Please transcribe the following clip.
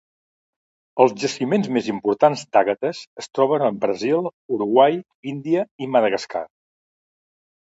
Els jaciments més importants d'àgates es troben en Brasil, Uruguai, Índia i Madagascar.